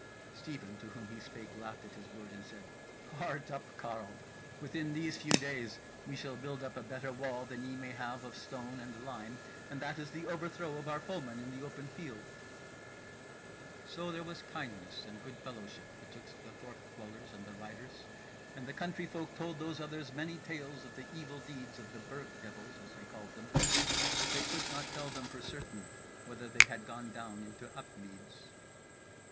Stephen to whom he spake laughed at his word, and said: "Heart up, carle! within these few days we shall build up a better wall than ye may have of stone and lime; and that is the overthrow of our foemen in the open field." So there was kindness and good fellowship betwixt the thorp dwellers and the riders, and the country folk told those others many tales of the evil deeds of the Burg devils, as they called them; but they could not tell them for certain whether they had gone down into Upmeads.